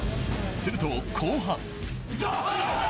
すると後半。